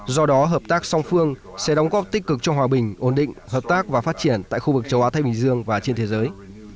do đó hợp tác song phương sẽ đóng góp tích cực cho hòa bình ổn định hợp tác và phát triển tại khu vực châu á thái bình dương và trên thế giới